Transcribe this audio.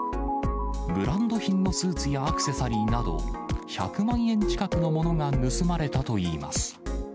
ブランド品のスーツやアクセサリーなど、１００万円近くのものが盗まれたといいます。